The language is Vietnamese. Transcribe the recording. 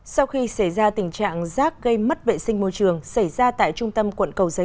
sau khi xảy ra tình trạng rác gây mất vệ sinh môi trường xảy ra tại trung tâm quận cầu giấy